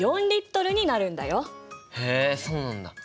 へえそうなんだ。